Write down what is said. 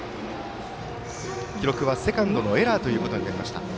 記録はセカンドのエラーということになりました。